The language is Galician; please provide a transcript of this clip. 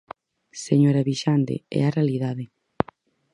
Señora Vixande, é a realidade.